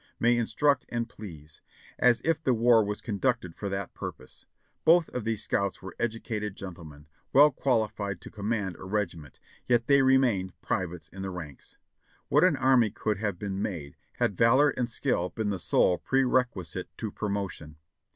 "May instruct and please!" As if the war was conducted for that purpose. Both of these scouts were educated gentlemen, well qualified to command a regiment, yet they remained privates in the ranks. What an army could have been made, had valor and skill been the sole prerequisite to promotion.